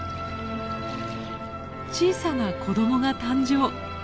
小さな子どもが誕生。